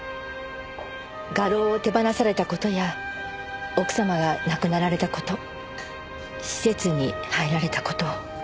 画廊を手放された事や奥様が亡くなられた事施設に入られた事を。